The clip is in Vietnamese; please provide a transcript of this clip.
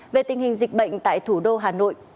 về tình hình dịch bệnh tại thủ đô hà nội